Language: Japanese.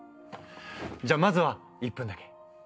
じゃあまずは１分だけ。